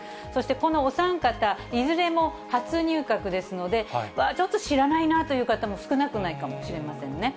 そしてこのお３方、いずれも初入閣ですので、ちょっと知らないなという方も少なくないかもしれませんね。